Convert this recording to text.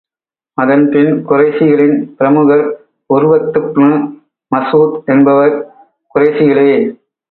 அதன்பின், குறைஷிகளின் பிரமுகர் உர்வத்துப்னு மஸ்ஊத் என்பவர், குறைஷிகளே!